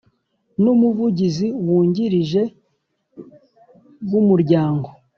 n Umuvugizi Wungirije b Umuryango